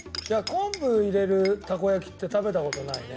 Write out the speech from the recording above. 昆布入れるたこ焼きって食べた事ないね。